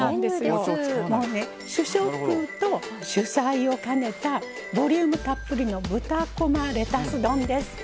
主食と主菜を兼ねたボリュームたっぷりの豚こまレタス丼です。